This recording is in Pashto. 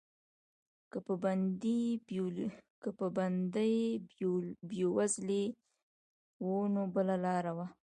که به بندي بېوزلی و نو بله لاره وه.